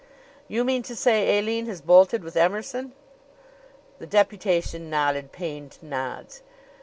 "You mean to say Aline has bolted with Emerson?" The deputation nodded pained nods.